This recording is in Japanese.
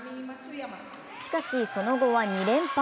しかし、その後は２連敗。